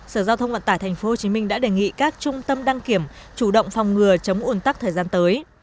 sở giao thông vận tải thành phố hồ chí minh đã đề nghị các trung tâm đăng kiểm chủ động phòng ngừa chống ùn tắc thời gian tới